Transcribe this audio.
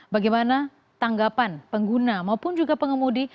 bagaimana tanggapan pengguna maupun juga pengemudi